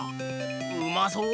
うまそう！